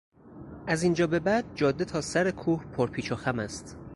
از اینجا به بعد جاده تا سر کوه پر پیچ و خم است.